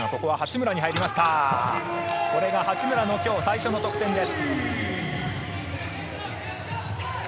これが八村の今日、最初の得点です。